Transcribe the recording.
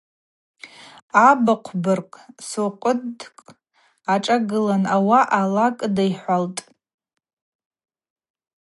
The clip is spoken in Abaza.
Абыхъвбырг сокъвыдкӏ ашӏагылан, ауаъа ала кӏыдихӏвалтӏ.